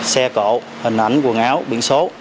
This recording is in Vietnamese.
xe cổ hình ảnh quần áo biển số